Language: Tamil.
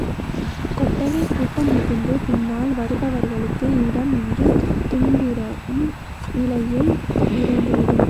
கொட்டகை கூட்டம் மிகுந்து பின்னால் வருபவர்க்கு இடம் இன்றித் துன்புறும் நிலையில் நிறைந்துவிடும்.